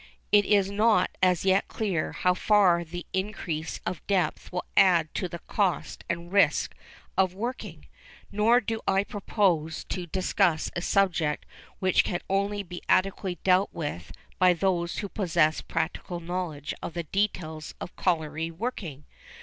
It is not as yet clear how far the increase of depth will add to the cost and risk of working; nor do I propose to discuss a subject which can only be adequately dealt with by those who possess practical knowledge of the details of colliery working.